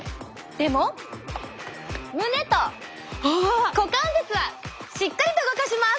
でも胸と股関節はしっかりと動かします！